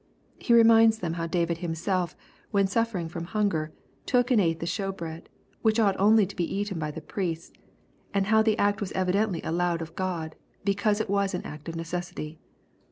He reminds them how David himself, when suffering from hunger, took and ate that shew bread, which ought only to be eaten by the priests, and how the act was evidently allowed of God, because it was an act of necessity.